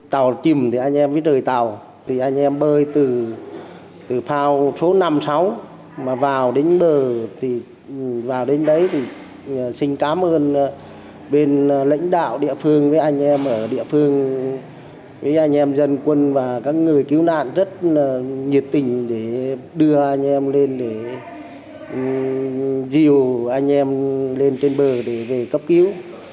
tàu chìm thì anh em với trời tàu thì anh em bơi từ phao số năm mươi sáu mà vào đến bờ thì vào đến đấy thì xin cảm ơn bên lãnh đạo địa phương với anh em ở địa phương với anh em dân quân và các người cứu nạn rất nhiệt tình để đưa anh em lên để dìu anh em lên trên bờ để về cấp cứu